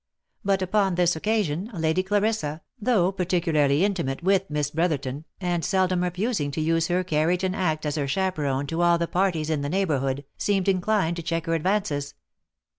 But, upon this occasion, Lady Clarissa, though particularly intimate with Miss Brotherton, and seldom refusing to use her carriage and act as her chaperone to all the parties in the neighbourhood, seemed inclined to check her advances.